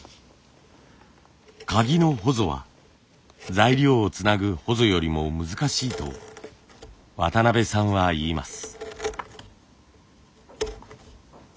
鍵のほぞは材料をつなぐほぞよりも難しいと渡邊さんは言います。